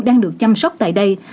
đang được chăm sóc tại đây